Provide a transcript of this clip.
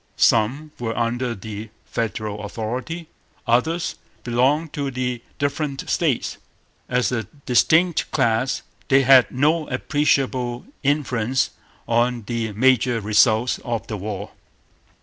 Some were under the Federal authority. Others belonged to the different States. As a distinct class they had no appreciable influence on the major results of the war.